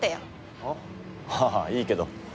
ああいいけど。